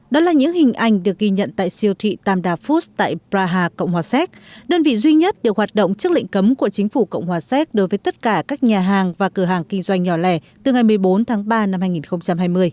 đó là những hình ảnh được ghi nhận tại siêu thị tam đà food tại praha cộng hòa séc đơn vị duy nhất được hoạt động trước lệnh cấm của chính phủ cộng hòa séc đối với tất cả các nhà hàng và cửa hàng kinh doanh nhỏ lẻ từ ngày một mươi bốn tháng ba năm hai nghìn hai mươi